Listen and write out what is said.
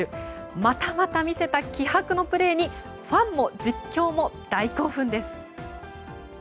またまた魅せた気迫のプレーにファンも実況も大興奮です。